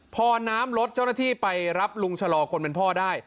พอน้ำลดเจ้าหน้าที่ไปรับลุงชะลอคนเป็นพ่อได้